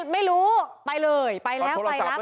ไม่รู้ไปเลยไปแล้วไปรับ